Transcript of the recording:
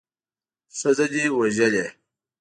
ښځه دې وژلې.